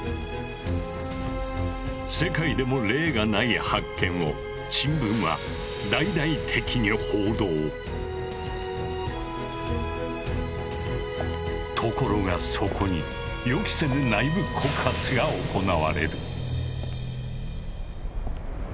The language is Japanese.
世界でも例がない発見をところがそこに予期せぬ内部告発が行われる。